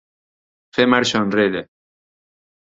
Fer marxa enrere.